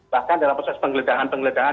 bahkan dalam proses penggegahan penggegahan